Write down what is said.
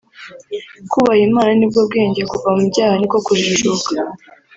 Kubaha Imana nibwo bwenge kuva mu byaha niko kujijuka